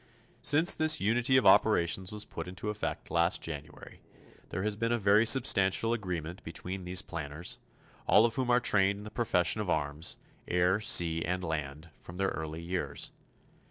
Since this unity of operations was put into effect last January, there has been a very substantial agreement between these planners, all of whom are trained in the profession of arms air, sea and land from their early years.